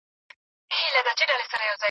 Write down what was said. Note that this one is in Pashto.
موږ هره ورځ زده کړه نه کوو.